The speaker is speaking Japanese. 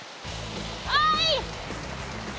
おい！